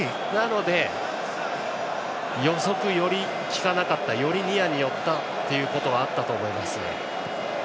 なので、予測がより利かなかったよりニアに寄ったということはあったと思います。